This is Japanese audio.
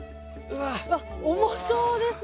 わっ重そうですね！